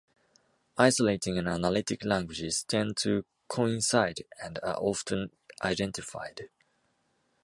Isolating and analytic languages tend to coincide and are often identified.